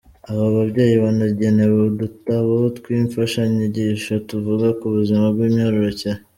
Aba babyeyi banagenewe udutabo tw’imfashanyigisho tuvuga ku buzima bw’imyororokere.